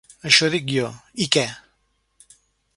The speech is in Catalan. Això dic jo: i què?